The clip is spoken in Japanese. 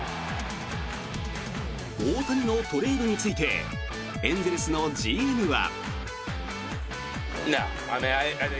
大谷のトレードについてエンゼルスのＧＭは。